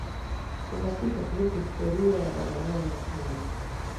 Uhakika kuhusu historia ya Bagamoyo ya kale